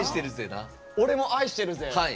「俺も愛してるぜ」な？